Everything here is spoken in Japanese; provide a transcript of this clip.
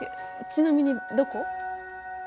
ちなみにどこ？